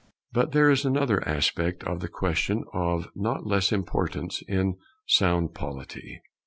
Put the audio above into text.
But there is another aspect of the question of not less importance in sound polity.